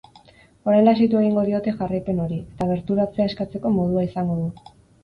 Orain lasaitu egingo diote jarraipen hori, eta gerturatzea eskatzeko modua izango du.